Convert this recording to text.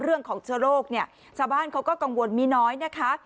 เรื่องของเชื้อโรคเนี่ยชาวบ้านเขาก็กังวลมีน้อยนะคะ